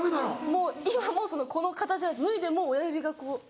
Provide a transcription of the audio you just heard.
もう今もこの形脱いでも親指がこう。